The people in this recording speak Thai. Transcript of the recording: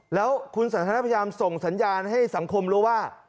แล้วคุณสันทนาพยายามส่งสัญญาณให้สังคมรู้ว่า